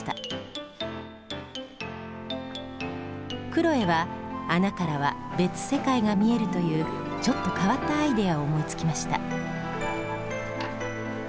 クロエは穴からは別世界が見えるというちょっと変わったアイデアを思いつきました。